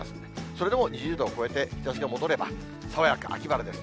それでも２０度を超えて、日ざしが戻れば爽やか、秋晴れです。